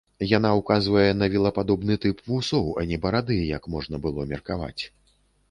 Яна ўказвае на вілападобны тып вусоў, а не барады, як можна было меркаваць.